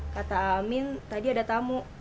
kata amin tadi ada tamu